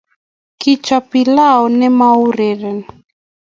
Kechob pilau ne mo urerie.